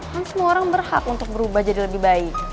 kan semua orang berhak untuk berubah jadi lebih baik